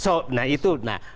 so nah itu